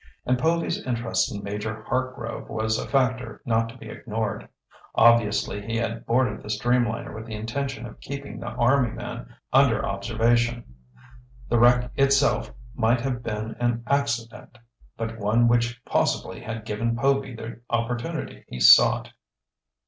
And Povy's interest in Major Hartgrove was a factor not to be ignored. Obviously he had boarded the streamliner with the intention of keeping the army man under observation. The wreck itself might have been an accident, but one which possibly had given Povy the opportunity he sought.